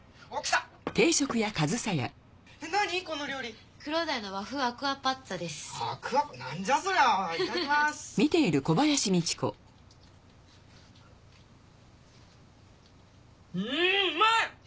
んうまい！